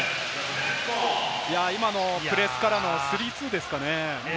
プレスからのスリーツーですかね。